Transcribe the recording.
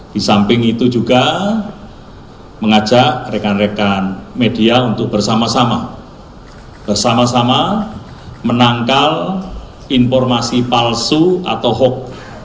di samping itu juga mengajak rekan rekan media untuk bersama sama bersama sama menangkal informasi palsu atau hoax